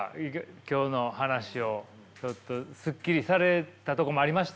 今日の話をちょっとすっきりされたとこもありました？